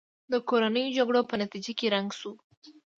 د کورنیو جګړو په نتیجه کې ړنګ شو.